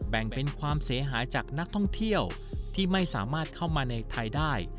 แบ่งเป็นความเสียหายจากนักท่องเที่ยวที่ไม่สามารถเข้ามาในไทยได้